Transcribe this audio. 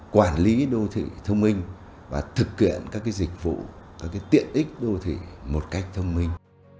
quản lý đô thị thông minh và thực hiện các dịch vụ tiện ích đô thị một cách thông minh